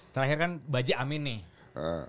terakhir kan bajik amin nih